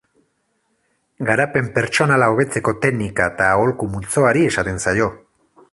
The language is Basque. Garapen pertsonala hobetzeko teknika eta aholku multzoari esaten zaio.